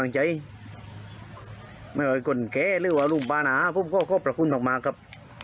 ไม่เอาให้คนแกะเรื่องว่ารูป่านาผมก็นะประกุ้นออกมาครับ